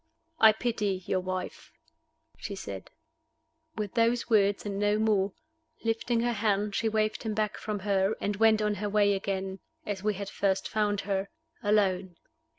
"I pity your wife," she said. With those words and no more, lifting her hand she waved him back from her, and went on her way again, as we had first found her, alone.